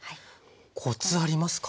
コツありますか？